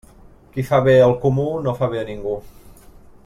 Qui fa bé al comú no fa bé a ningú.